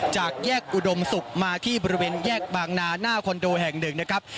จากแยกอุดมศุกร์มาที่บริเวณแยกบางนาหน้าคอนโดแห่งหนึ่งนะครับ